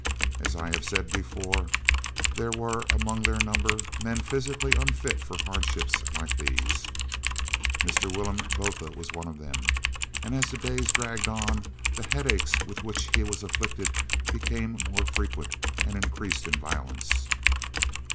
As I have said before, there were among their number men physically unfit for hardships like these. Mr. Willem Botha was one of them, and as the days dragged on, the headaches with which he was afflicted became more frequent and increased in violence.